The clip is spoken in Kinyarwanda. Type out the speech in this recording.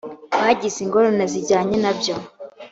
bagize ingorane zijyanye na byo